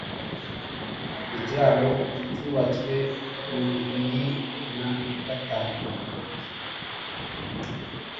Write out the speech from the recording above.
Ikiraro cyubatswe mu bibiri na gatanu